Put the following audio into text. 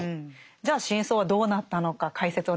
じゃあ真相はどうなったのか解説をお願いしていいですか。